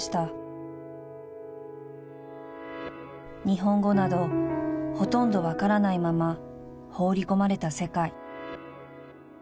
［日本語などほとんど分からないまま放り込まれた世界］